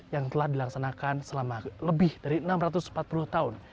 yang telah dilaksanakan selama lebih dari enam ratus empat puluh tahun